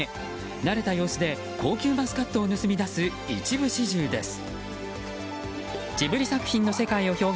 慣れた様子で高級マスカットを盗み出す一部始終です。